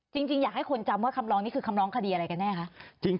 จริงอยากให้คนจำว่าคำร้องนี้คือคำร้องคดีอะไรกันแน่คะ